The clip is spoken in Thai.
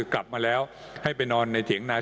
กลับมาแล้วให้ไปนอนในเถียงนา